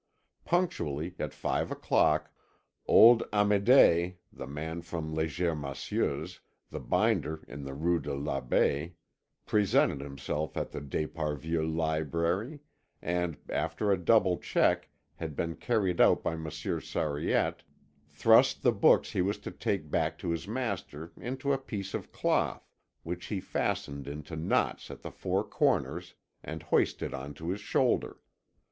Punctually at five o'clock, old Amédée, the man from Léger Massieu's, the binder in the Rue de l'Abbaye, presented himself at the d'Esparvieu library and, after a double check had been carried out by Monsieur Sariette, thrust the books he was to take back to his master into a piece of cloth which he fastened into knots at the four corners and hoisted on to his shoulder.